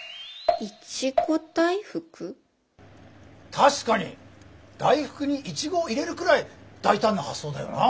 確かに大福にいちごを入れるくらい大胆な発想だよな。